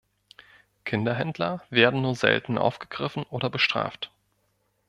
Kinderhändler werden nur selten aufgegriffen oder bestraft.